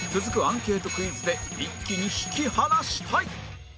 続くアンケートクイズで一気に引き離したい！